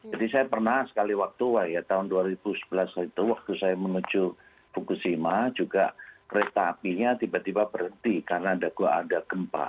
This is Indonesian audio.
jadi saya pernah sekali waktu tahun dua ribu sebelas waktu saya menuju fukushima juga kereta apinya tiba tiba berhenti karena ada gempa